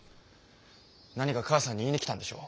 何か母さんに言いに来たんでしょ。